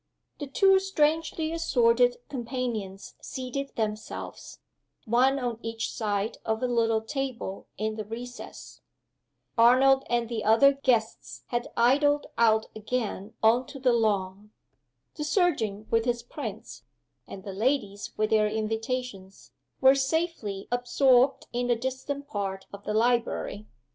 The two strangely assorted companions seated themselves, one on each side of a little table in the recess. Arnold and the other guests had idled out again on to the lawn. The surgeon with his prints, and the ladies with their invitations, were safely absorbed in a distant part of the library.